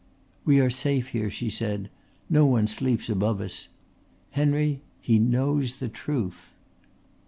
"We are safe here," she said. "No one sleeps above us. Henry, he knows the truth."